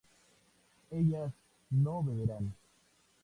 ellas no beberán